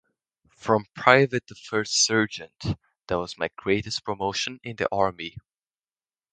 From Private to First Sergeant, that was my greatest promotion in the Army.